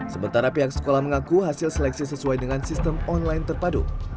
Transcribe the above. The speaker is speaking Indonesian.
sementara pihak sekolah mengaku hasil seleksi sesuai dengan sistem online terpadu